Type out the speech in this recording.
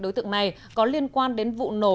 đối tượng này có liên quan đến vụ nổ